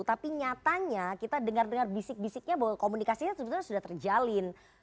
tapi nyatanya kita dengar dengar bisik bisiknya bahwa komunikasinya sebetulnya sudah terjalin